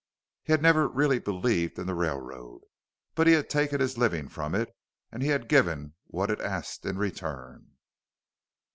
_ He had never really believed in the railroad; but he had taken his living from it, and he had given what it asked in return.